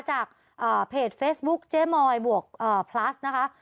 จากเพจเฟซบุ๊คเจ๊มอยบวกพลัสนะคะ